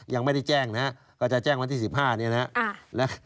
ยังไม่ได้แจ้งนะฮะก็จะแจ้งวันที่๑๕เนี่ยนะครับ